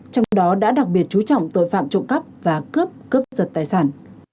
trong đó đã đặc biệt chú trọng tội phạm trộm cắp và cướp cướp giật tài sản